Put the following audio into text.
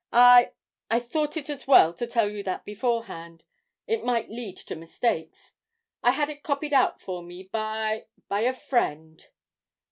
I I thought it as well to tell you that beforehand; it might lead to mistakes. I had it copied out for me by by a friend.'